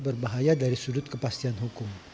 berbahaya dari sudut kepastian hukum